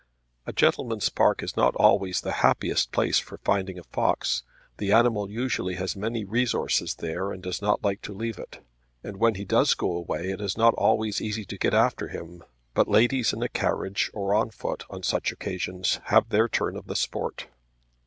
A gentleman's park is not always the happiest place for finding a fox. The animal has usually many resources there and does not like to leave it. And when he does go away it is not always easy to get after him. But ladies in a carriage or on foot on such occasions have their turn of the sport.